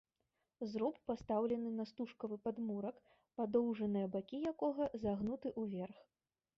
Зруб пастаўлены на стужкавы падмурак, падоўжныя бакі якога загнуты ўверх.